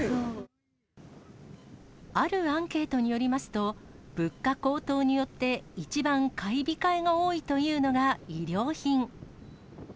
あるアンケートによりますと、物価高騰によって一番買い控えが多いというのが、衣料品。